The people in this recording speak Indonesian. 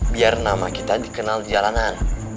biar nama kita dikenal di jalanan